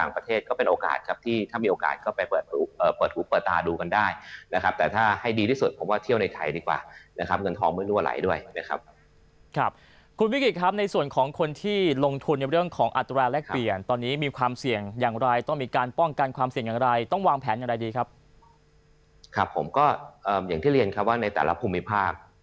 ครับผมก็อย่างที่เรียนครับว่าในแต่ละภูมิภาพ